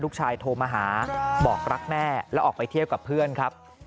โทรมาหาบอกรักแม่แล้วออกไปเที่ยวกับเพื่อนครับ